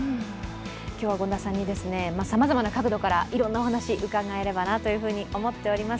今日は権田さんにさまざまな角度からいろんなお話をうかがえればと思っております。